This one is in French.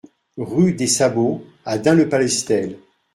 Rue des Sabots à Dun-le-Palestel